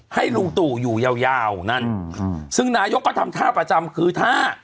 ลุงตู่อยู่ยาวยาวนั่นซึ่งนายกก็ทำท่าประจำคือถ้า